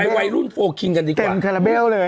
ไปวัยรุ่นโฟล์คิงกันดีกว่า